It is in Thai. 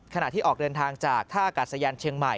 ขณะที่ออกเดินทางจากท่าอากาศยานเชียงใหม่